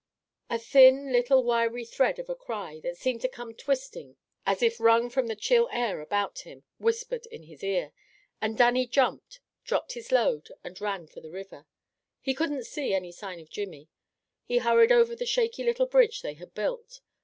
A thin, little, wiry thread of a cry, that seemed to come twisting as if wrung from the chill air about him, whispered in his ear, and Dannie jumped, dropped his load, and ran for the river. He couldn't see a sign of Jimmy. He hurried over the shaky little bridge they had built.